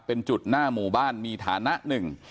เป็นจุดหน้าหมู่บ้านมีฐานะหนึ่ง